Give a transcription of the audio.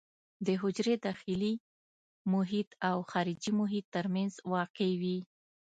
د حجرې داخلي محیط او خارجي محیط ترمنځ واقع وي.